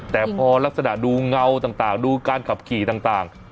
แต่พอลักษณะดูเงาต่างดูการขับขี่ต่าง